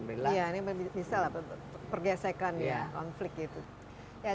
ini bisa lah pergesekan ya konflik itu